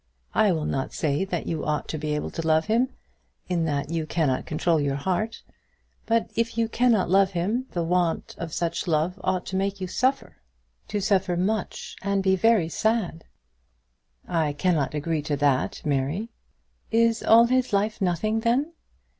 I will not say that you ought to be able to love him; in that you cannot control your heart; but if you cannot love him, the want of such love ought to make you suffer, to suffer much and be very sad." "I cannot agree to that, Mary." "Is all his life nothing, then?